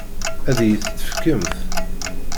Ad iyi-t-tefkemt?